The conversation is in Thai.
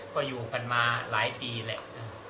ก็อยู่กันมาหลายปีแหละ